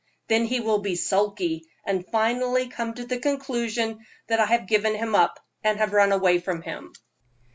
Then he will be sulky, and finally come to the conclusion that I have given him up, and have run away from him."